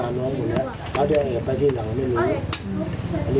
หมดแล้วน้องหมดแล้วเขาจะไปที่หลังไม่รู้